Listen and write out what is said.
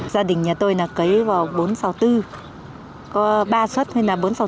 gia đình nhà tôi là cấy vào bốn sáu bốn có ba xuất thôi là bốn sáu bốn